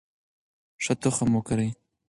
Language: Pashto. ښه تخم وکرئ.